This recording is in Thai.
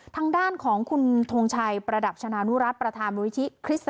ทางด้านของคุณทงชัยประดับชนานุรัติประธานมูลนิธิคริสต์